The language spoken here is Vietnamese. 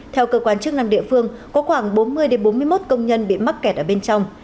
theo cơ quan chức năng địa phương có khoảng bốn mươi bốn mươi một công nhân bị mắc kẹt ở bên trong